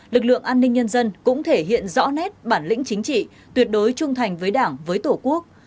lực lượng an ninh nhân dân cũng thể hiện rõ nét bản lĩnh chính trị tuyệt đối trung thành với đảng với tổ quốc